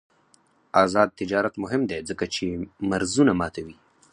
آزاد تجارت مهم دی ځکه چې مرزونه ماتوي.